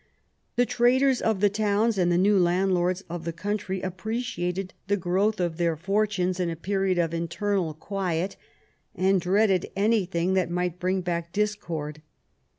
The traders of the towns and the new landlords of the country appreciated the growth of their fortunes in a period of internal quiet, and dreaded anything that might bring back discord.